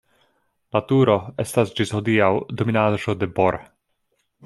La turo estas ĝis hodiaŭ dominaĵo de Bor.